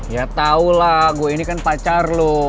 ya tau lah gue ini kan pacar lo